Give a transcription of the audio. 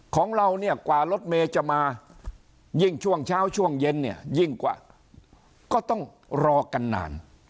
ของเราเนี่ยกว่ารถเมย์จะมายิ่งช่วงเช้าช่วงเย็นเนี่ยยิ่งกว่าก็ต้องรอกันนาน